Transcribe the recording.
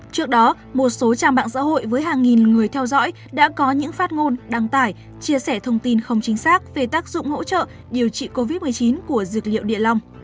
trước đó một số trang mạng xã hội với hàng nghìn người theo dõi đã có những phát ngôn đăng tải chia sẻ thông tin không chính xác về tác dụng hỗ trợ điều trị covid một mươi chín của dược liệu địa long